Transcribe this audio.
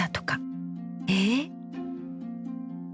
えっ。